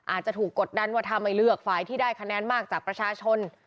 อาจจะถูกกดดันว่าถ้าไม่เลือกฝ่ายที่ได้คะแนนมากจากประชาชน